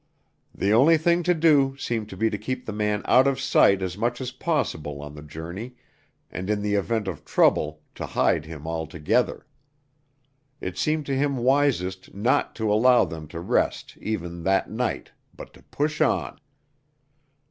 The only thing to do seemed to be to keep the man out of sight as much as possible on the journey and in the event of trouble to hide him altogether. It seemed to him wisest not to allow them to rest even that night but to push on.